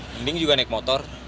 mending juga naik motor